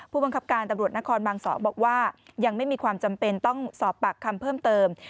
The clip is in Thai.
ผู้บังคับการตำรวจนครบาน๒บอกว่ายังไม่มีความจำเป็นต้องสอบปากคำเพิ่มเติม